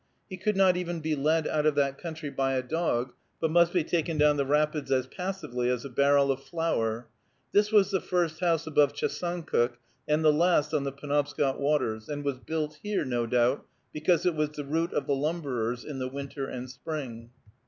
He could not even be led out of that country by a dog, but must be taken down the rapids as passively as a barrel of flour. This was the first house above Chesuncook, and the last on the Penobscot waters, and was built here, no doubt, because it was the route of the lumberers in the winter and spring.